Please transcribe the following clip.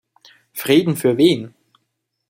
Frieden für wen?